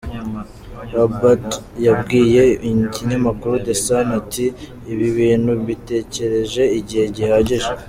Abad yabwiye Ikinyamakuru The Sun ati “Ibi bintu mbitegereje igihe gihagije.